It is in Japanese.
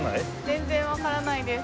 全然わからないです。